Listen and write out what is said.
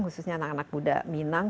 khususnya anak anak muda minang